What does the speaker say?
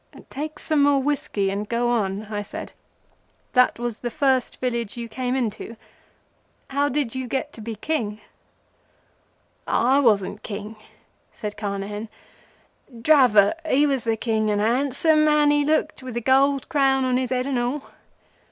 "Take some more whiskey and go on," I said. "That was the first village you came into. How did you get to be King?" "I wasn't King," said Carnehan. "Dravot he was the King, and a handsome man he looked with the gold crown on his head and all.